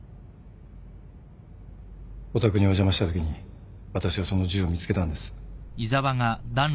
お宅にお邪魔したときに私はその銃を見つけたんです。